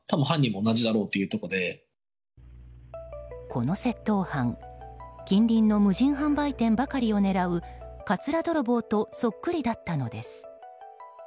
この窃盗犯近隣の無人販売店ばかりを狙うかつら泥棒とそっくりだったのです。